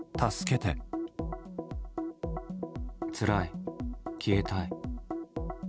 つらい、消えたい。